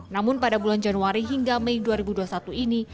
namun pada bulan januari hingga mei dua ribu dua puluh satu ini